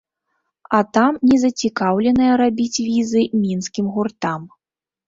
А там не зацікаўленыя рабіць візы мінскім гуртам.